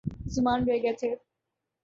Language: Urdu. مسلمان رہ گئے تھے۔